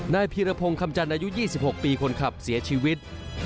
พีรพงศ์คำจันทร์อายุ๒๖ปีคนขับเสียชีวิต